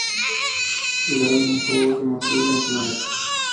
El álbum How to Measure a Planet?